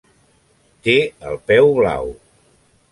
Té el peu blau.